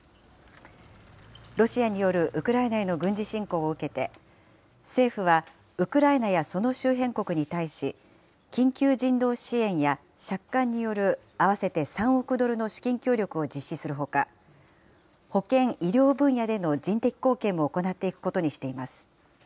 ロシアによるウクライナへの軍事侵攻を受けて、政府は、ウクライナやその周辺国に対し、緊急人道支援や借款による合わせて３億ドルの資金協力を実施するほか、保健・医療分野での人的貢献も行っていくことにしています。